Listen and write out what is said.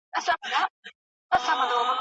له چارو څخه ګټه اخیستل کیږي.